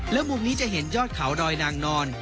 และมุมนี้จะเห็นยอดเขาดอยนางนอน